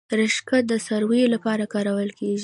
رشقه د څارویو لپاره کرل کیږي